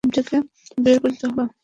তোমাকে এখান থেকে বের করতেই হবে।